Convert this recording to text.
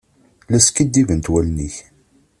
La skiddibent wallen-ik.